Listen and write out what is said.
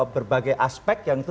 berbagai aspek yang itu